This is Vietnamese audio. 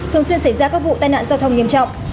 thường xuyên xảy ra các vụ tai nạn giao thông nghiêm trọng